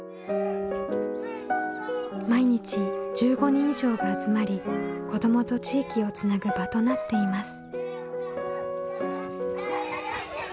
毎日１５人以上が集まり子どもと地域をつなぐ場となっています。